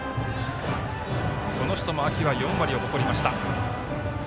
この人も秋は４割を誇りました。